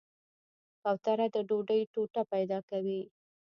کوتره د ډوډۍ ټوټه پیدا کوي.